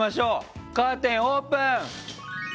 カーテンオープン！